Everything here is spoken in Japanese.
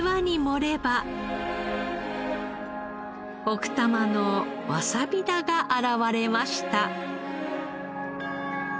奥多摩のわさび田が現れました。